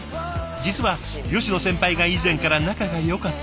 実は吉野先輩が以前から仲がよかったんだとか。